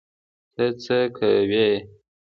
ته څه کوی؟